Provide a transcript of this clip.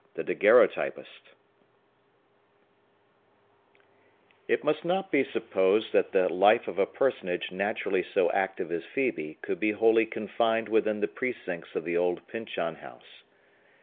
XII. The Daguerreotypist It must not be supposed that the life of a personage naturally so active as Phœbe could be wholly confined within the precincts of the old Pyncheon House.